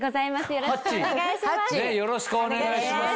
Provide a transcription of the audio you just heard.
よろしくお願いします。